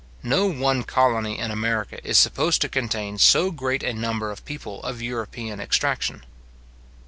No one colony in America is supposed to contain so great a number of people of European extraction.